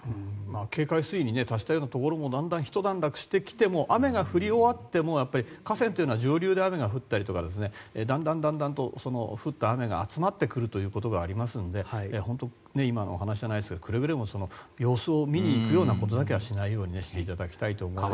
警戒水位に達しているようなところもだんだん一段落してきても雨が降り終わっても、河川は上流で雨が降ったりとかだんだん、降った雨が集まってくることがありますので今のお話じゃないですけどくれぐれも様子を見に行くようなことだけはしないようにしていただきたいと思います。